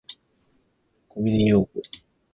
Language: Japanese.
小峰洋子